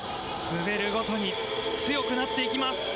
滑るごとに強くなっていきます。